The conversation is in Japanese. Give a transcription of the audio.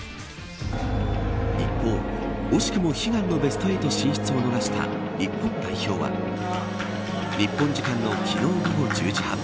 一方、惜しくも悲願のベスト８進出を逃した日本代表は日本時間の昨日午後１０時半。